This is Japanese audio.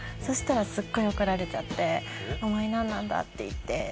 そしたらすっごい怒られちゃって「お前なんなんだ？」って言って。